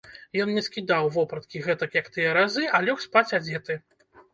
Ён не скідаў вопраткі гэтак, як тыя разы, а лёг спаць адзеты.